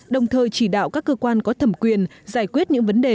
đồng thời chỉ đạo các cơ quan có thẩm quyền giải quyết những vấn đề